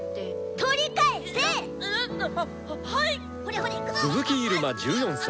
鈴木入間１４歳。